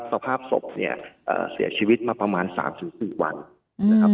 สภาพศพเนี่ยเสียชีวิตมาประมาณ๓๔วันนะครับ